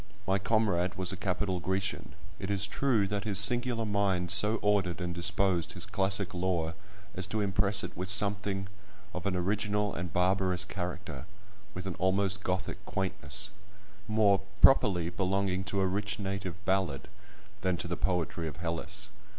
My comrade was a capital Grecian. It is true that his singular mind so ordered and disposed his classic lore as to impress it with something of an original and barbarous character—with an almost Gothic quaintness, more properly belonging to a rich native ballad than to the poetry of Hellas.